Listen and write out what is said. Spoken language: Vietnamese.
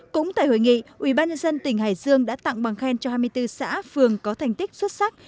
cũng tại hội nghị ubnd tỉnh hải dương đã tặng bằng khen cho hai mươi bốn xã phường có thành tích xuất sắc